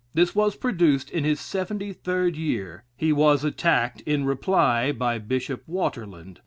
This was produced in his seventy third year. He was attacked in Reply by Bishop Waterland.